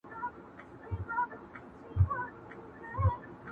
په زرګونو ځوانان تښتي؛ د خواږه وطن له غېږي،